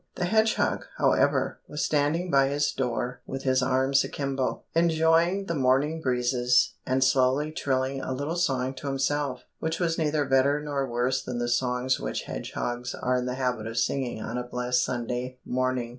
The hedgehog, however, was standing by his door with his arms akimbo, enjoying the morning breezes, and slowly trilling a little song to himself, which was neither better nor worse than the songs which hedgehogs are in the habit of singing on a blessed Sunday morning.